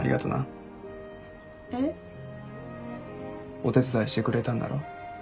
お手伝いしてくれたんだろ？